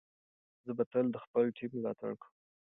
زه به تل د خپل ټیم ملاتړ کوم.